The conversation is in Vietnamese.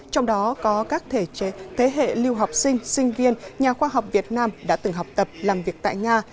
trong đó có các thế hệ lưu học sinh sinh viên nhà khoa học việt nam đã từng học tập làm việc tại nga